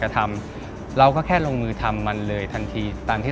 กระทำเราก็แค่ลงมือทำมันเลยทันทีตามที่